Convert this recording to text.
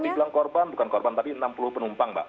saya dibilang korban bukan korban tapi enam puluh penumpang mbak